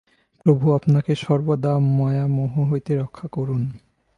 প্রভু আপনাকে সর্বদা মায়ামোহ হইতে রক্ষা করুন।